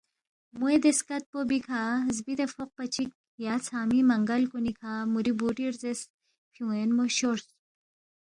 موے دے سکت پو بیکھہ زبِدے فوقپا چِک یا ژھنگمی منگل کُنی کھہ مُوری بُوٹی رزیس فیُون٘ین مو شورس